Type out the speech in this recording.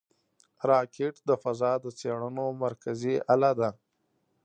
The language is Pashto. راکټ د فضا د څېړنو مرکزي اله ده